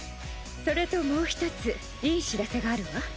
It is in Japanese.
それともう一ついい知らせがあるわ。